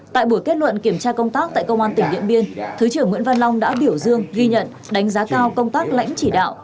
tại buổi kết luận kiểm tra công tác tại công an tỉnh điện biên thứ trưởng nguyễn văn long đã biểu dương ghi nhận đánh giá cao công tác lãnh chỉ đạo